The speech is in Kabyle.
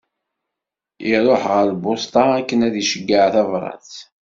Iruḥ ɣer lbuṣta akken ad iceyyeε tabrat.